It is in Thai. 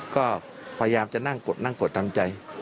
ก็พยายามจะนั่งกดนั่งกดทำใจ